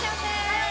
はい！